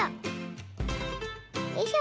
よいしょ。